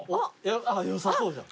よさそうじゃん。